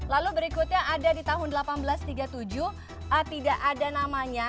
lalu berikutnya ada di tahun seribu delapan ratus tiga puluh tujuh tidak ada namanya